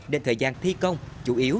đến thời gian thi công chủ yếu